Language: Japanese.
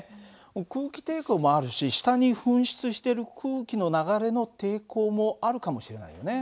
空気抵抗もあるし下に噴出してる空気の流れの抵抗もあるかもしれないよね。